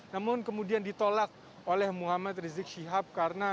namun kemudian ditolak oleh muhammad rizik siap